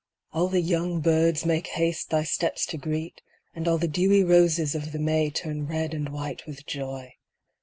All the young birds make haste thy steps to greet, And all the dewy roses of the May Turn red and white with joy.